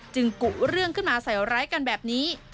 กุเรื่องขึ้นมาใส่ร้ายกันแบบนี้